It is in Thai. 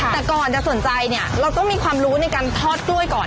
แต่ก่อนจะสนใจเนี่ยเราต้องมีความรู้ในการทอดกล้วยก่อน